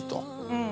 うん。